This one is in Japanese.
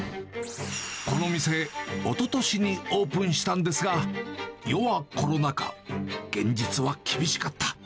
この店、おととしにオープンしたんですが、世はコロナ禍、現実は厳しかった。